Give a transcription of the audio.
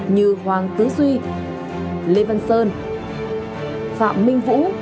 như hoàng tứ duy lê văn sơn phạm minh vũ